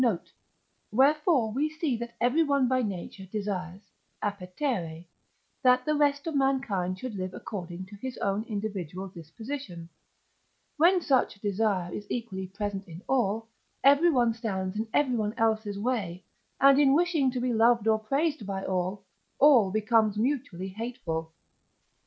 note); wherefore we see that everyone by nature desires (appetere), that the rest of mankind should live according to his own individual disposition: when such a desire is equally present in all, everyone stands in everyone else's way, and in wishing to be loved or praised by all, all become mutually hateful.